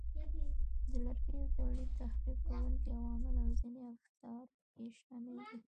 د لرګیو تولید، تخریب کوونکي عوامل او ځینې افزار پکې شامل دي.